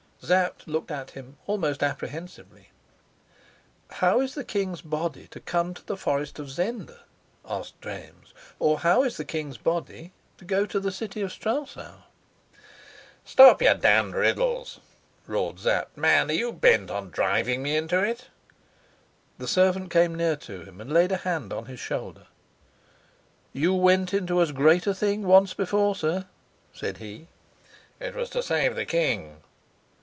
Sapt looked at him almost apprehensively. "How is the king's body to come to the forest of Zenda?" asked James. "Or how is the king's body to go to the city of Strelsau?" "Stop your damned riddles!" roared Sapt. "Man, are you bent on driving me into it?" The servant came near to him, and laid a hand on his shoulder. "You went into as great a thing once before, sir," said he. "It was to save the king."